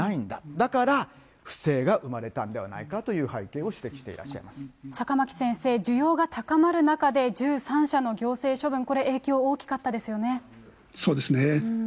だから不正が生まれたんではないかという背景を指摘していらっし坂巻先生、需要が高まる中で１３社の行政処分、そうですね。